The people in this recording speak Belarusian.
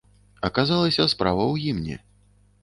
Аказалася, справа ў гімне.